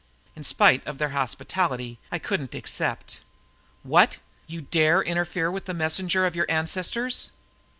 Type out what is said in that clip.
In spite of their hospitality, I couldn't accept. "What you dare interfere with the messenger of your ancestors!"